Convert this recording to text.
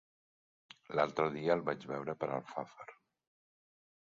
L'altre dia el vaig veure per Alfafar.